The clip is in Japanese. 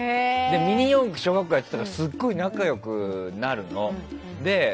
ミニ四駆小学校のころやっていたからすごい仲が良くなるの。